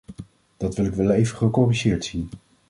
Dat wil ik wel even gecorrigeerd zien.